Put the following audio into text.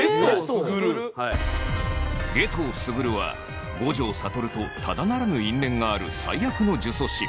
夏油傑は五条悟とただならぬ因縁がある最悪の呪詛師